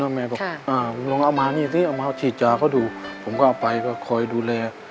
ุงโรงอามานี่ที่นี้เอาชีจาร์เขาดูผมก็เอาไปคอยดูแล